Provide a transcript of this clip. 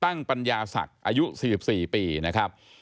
ปัญญาศักดิ์อายุ๔๔ปีนะครับ